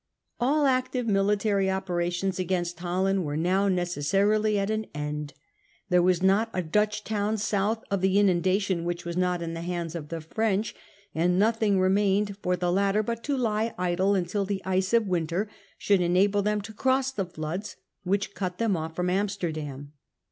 All active military operations against Holland were now necessarily at an end. There was not a Dutch town south of the inundation which was not in the hands End of the ^ renc ^> anc * nothing remained for French the latter but to lie idle until the ice of winter invasion. should enable them to cross the floods which cut them off from Amsterdam.